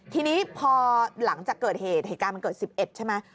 ทีนี้พอหลังจากเกิดเหตุเหตุการณ์มันเกิด๑๑ใช่ไหม